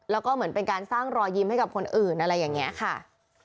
แล้วก็เหมือนเป็นการสร้างรอยยิ้มให้กับคนอื่นอะไรอย่างนี้ค่ะ